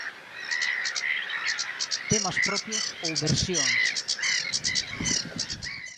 Temas propios ou versións?